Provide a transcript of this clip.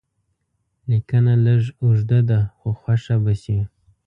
لیکنه لږ اوږده ده خو خوښه به شي.